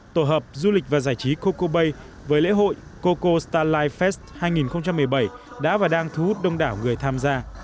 tổ hợp du lịch và giải trí coco bay với lễ hội coco stalife fest hai nghìn một mươi bảy đã và đang thu hút đông đảo người tham gia